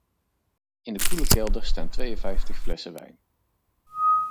In de koele kelder staan tweeënvijftig flessen wijn.